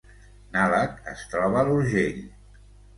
Nalec es troba a l’Urgell